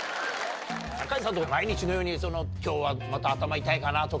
酒井さんとか毎日のように今日は頭痛いかなとかって。